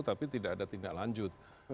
tapi tidak ada tindak lanjut